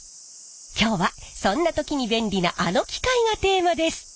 今日はそんな時に便利なあの機械がテーマです。